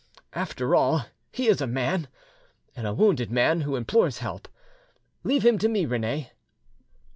"After all, he is a man, and a wounded man who implores help. Leave him to me, Rene."